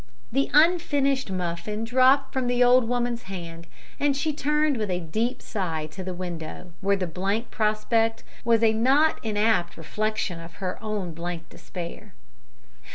The unfinished muffin dropped from the old woman's hand, and she turned with a deep sigh to the window, where the blank prospect was a not inapt reflection of her own blank despair.